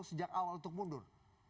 sejak awal untuk mundur